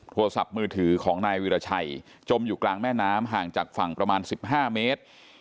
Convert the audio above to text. โทรศัพท์มือถือของนายวิราชัยจมอยู่กลางแม่น้ำห่างจากฝั่งประมาณ๑๕เมตร